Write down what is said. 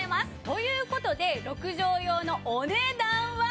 という事で６畳用のお値段は。